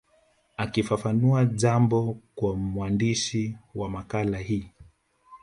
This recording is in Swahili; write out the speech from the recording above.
Akifafanua jambo kwa mwandishi wa makala hii